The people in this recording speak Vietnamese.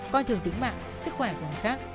coi thường tính mạng sức khỏe của người khác